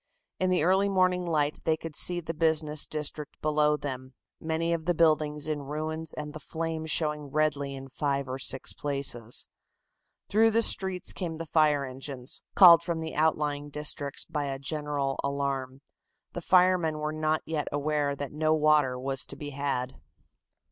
In the early morning light they could see the business district below them, many of the buildings in ruins and the flames showing redly in five or six places. Through the streets came the fire engines, called from the outlying districts by a general alarm. The firemen were not aware as yet that no water was to be had.